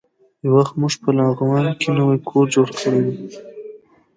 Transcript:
یو وخت موږ لغمان کې نوی کور جوړ کړی و.